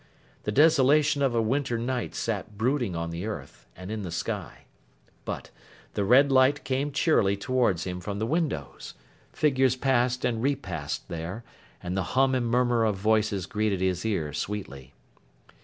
The desolation of a winter night sat brooding on the earth, and in the sky. But, the red light came cheerily towards him from the windows; figures passed and repassed there; and the hum and murmur of voices greeted his ear sweetly.